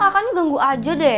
kakaknya genggu aja deh